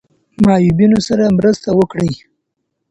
معیوبینو سره مرسته وکړئ.